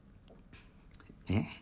えっ？